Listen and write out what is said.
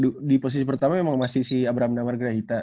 di posisi pertama emang masih si abraham damar gerahita